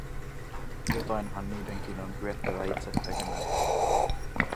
Jotainhan niidenkin on kyettävä itse tekemään.